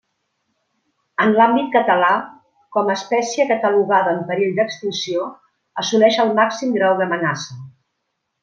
En l'àmbit català, com a espècie catalogada en perill d'extinció, assoleix el màxim grau d'amenaça.